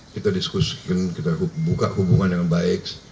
kita diskusikan kita buka hubungan dengan baik